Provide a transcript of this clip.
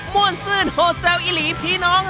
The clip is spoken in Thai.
วนซื่นโหดแซวอีหลีพี่น้อง